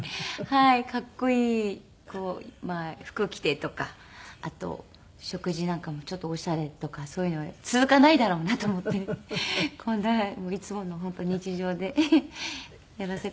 かっこいい服着てとかあと食事なんかもちょっとオシャレとかそういうのは続かないだろうなと思ってこんないつもの本当日常でやらせてもらっています。